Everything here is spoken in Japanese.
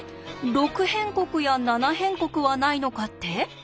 「六辺国」や「七辺国」はないのかって？